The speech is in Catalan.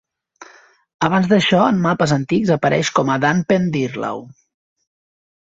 Abans d'això, en mapes antics apareix com a Dunpendyrlaw.